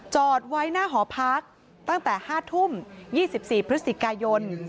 จอดไว้หน้าหอพักตั้งแต่ห้าทุ่มยี่สิบสี่พฤษฎิกายน